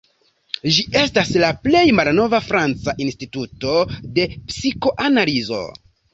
Ĝi estas la plej malnova franca instituto de psikoanalizo.